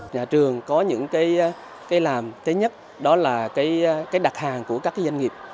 nhà trường có những cái làm thứ nhất đó là cái đặt hàng của các doanh nghiệp